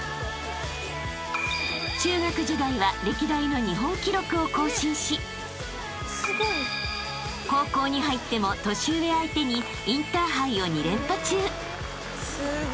［中学時代は歴代の日本記録を更新し高校に入っても年上相手にインターハイを２連覇中］